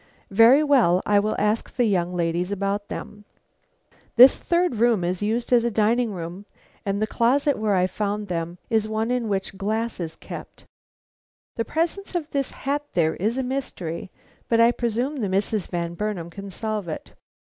"Very well; I will ask the young ladies about them." "This third room is used as a dining room, and the closet where I found them is one in which glass is kept. The presence of this hat there is a mystery, but I presume the Misses Van Burnam can solve it.